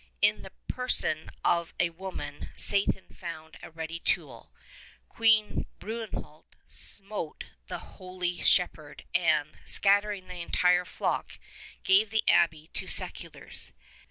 In the person of a woman Satan found a ready tool. Queen Brunehault smote the holy shepherd and, scattering the entire flock, gave the abbey to seculars.